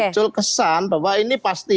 muncul kesan bahwa ini pasti